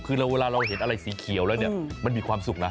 คือเวลาเราเห็นอะไรสีเขียวมันมีความสุข